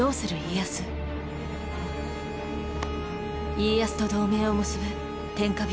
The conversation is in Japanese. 家康と同盟を結ぶ天下人